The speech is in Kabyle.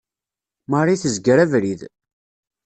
Marie tezger abrid.